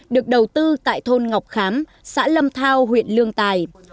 được đầu tư tại thôn ngọc khám xã lâm thao huyện lương tài